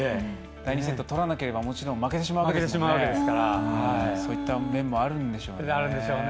第２セット、取らなければ負けてしまいますからそういった面もあるんでしょうね。